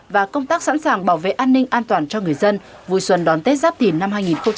và công tác sẵn sàng bảo vệ an ninh an toàn cho người dân vui xuân đón tết giáp thìn năm hai nghìn hai mươi bốn